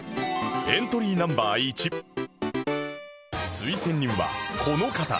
推薦人はこの方